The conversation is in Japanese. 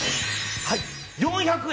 ４００円